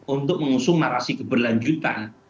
untuk mengusung narasi keberlanjutan